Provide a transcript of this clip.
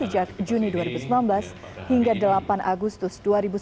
sejak juni dua ribu sembilan belas hingga delapan agustus dua ribu sembilan belas